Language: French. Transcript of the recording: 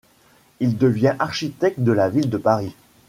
Il devient architecte de la ville de Paris.